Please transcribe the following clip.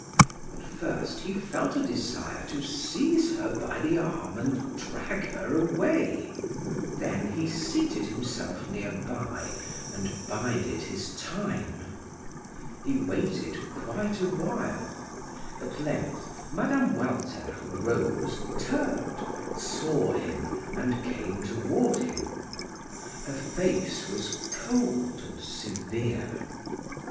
At first he felt a desire to seize her by the arm and drag her away; then he seated himself near by and bided his time. He waited quite awhile. At length Mme. Walter rose, turned, saw him and came toward him. Her face was cold and severe.